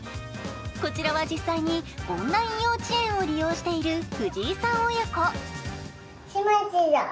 こちらは実際にオンライン幼稚園を利用している藤井さん親子。